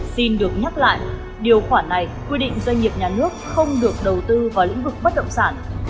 xin được nhắc lại điều khoản này quy định doanh nghiệp nhà nước không được đầu tư vào lĩnh vực bất động sản